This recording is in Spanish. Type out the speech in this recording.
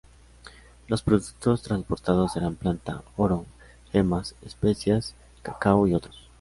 Los productos transportados eran plata, oro, gemas, especias, cacao y otros.